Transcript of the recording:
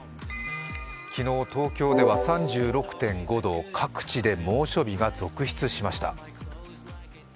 昨日、東京では３６．５度、各地で猛暑日が続出しました。